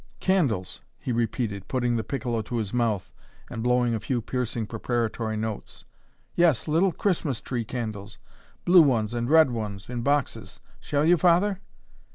"Candles!" he repeated, putting the piccolo to his mouth and blowing a few piercing, preparatory notes. "Yes, little Christmas tree candles blue ones and red ones, in boxes Shall you, Father?"